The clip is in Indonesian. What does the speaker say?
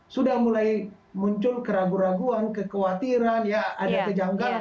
sudah mulai muncul keraguan keraguan kekhawatiran ada kejanggaran